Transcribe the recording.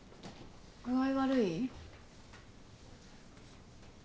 具合悪い？